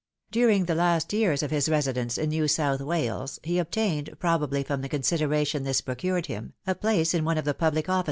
During the last years of his residence in New South Wales he obtained, probably from the consideration this procured him, a place in one of the pubho ofiB.